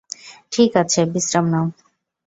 ঠিক আছে, বিশ্রাম নাও?